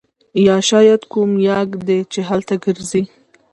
یا شاید کوم یاږ دی چې هلته ګرځي